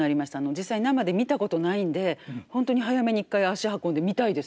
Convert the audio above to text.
実際生で見たことないんでホントに早めに１回足運んで見たいですね。